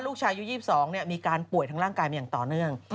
ลูกชายอายุ๒๒มีการป่วยทางร่างกายมาอย่างต่อเนื่อง